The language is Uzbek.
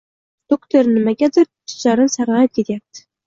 - Doktor, nimagadir tishlarim sarg'ayib ketyapti?!